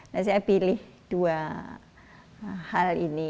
nah saya pilih dua hal ini